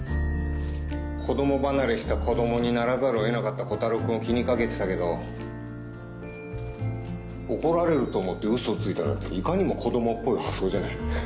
子供離れした子供にならざるを得なかったコタローくんを気にかけてたけど怒られると思って嘘をついたなんていかにも子供っぽい発想じゃない。